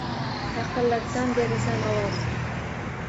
Taqillatsam, berasan ovoz.